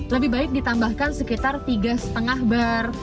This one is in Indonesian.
lebih baik ditambahkan sekitar tiga lima bar